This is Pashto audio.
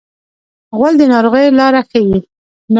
غول د ناروغۍ لاره ښيي.